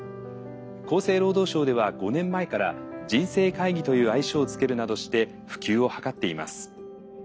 厚生労働省では５年前から“人生会議”という愛称を付けるなどして普及を図っています。